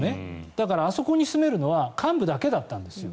だからあそこに住めるのは幹部だけだったんですよ。